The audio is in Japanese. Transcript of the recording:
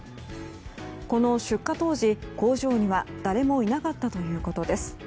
この出火当時、工場には誰もいなかったということです。